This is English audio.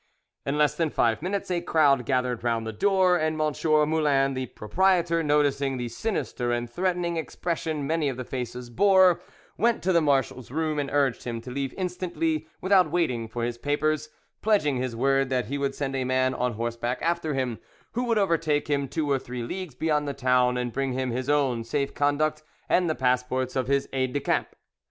In less than five minutes a crowd gathered round the door, and M. Moulin the proprietor noticing the sinister and threatening expression many of the faces bore, went to the marshal's room and urged him to leave instantly without waiting for his papers, pledging his word that he would send a man on horseback after him, who would overtake him two or three leagues beyond the town, and bring him his own safe conduct and the passports of his aides de camp.